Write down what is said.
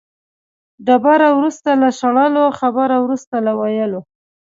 ډبره وروسته له شړلو، خبره وروسته له ویلو.